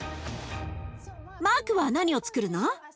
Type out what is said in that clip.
マークは何をつくるの？